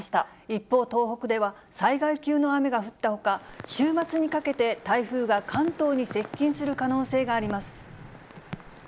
一方、東北では災害級の雨が降ったほか、週末にかけて、台風が関東に接近する可能性があります。